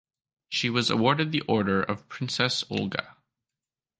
She was awarded the Order of Princess Olga.